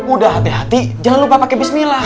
udah hati hati jangan lupa pakai bismillah